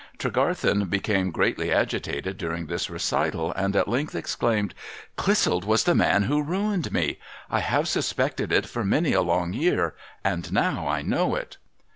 Tregarthen became greatly agitated during this recital, and at length exclaimed, —' Clissold was the man who ruined me ! I have suspected it for many a long year, and now I know it.'